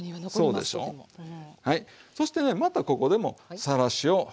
はいそしてねまたここでもさらしを用意して。